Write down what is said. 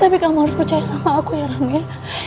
tapi kamu harus percaya sama aku ya ramai